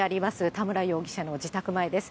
田村容疑者の自宅前です。